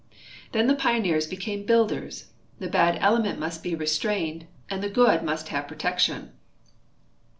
Then the pioneers be came builders. The bad element must be restrained and the good must have protection.